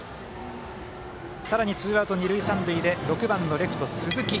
さらにツーアウト、二塁三塁で６番のレフト、鈴木。